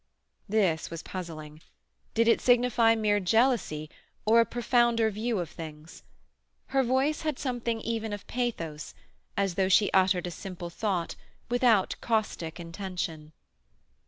This was puzzling. Did it signify mere jealousy, or a profounder view of things? Her voice had something even of pathos, as though she uttered a simple thought, without caustic intention.